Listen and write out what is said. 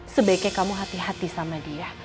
sebaiknya kamu hati hati sama dia